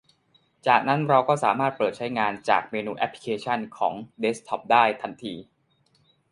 จากนั้นเราก็สามารถเปิดใช้งานจากเมนูแอปพลิเคชันของเดสก์ท็อปได้ทันที